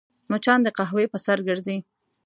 مچان د قهوې پر سر ګرځي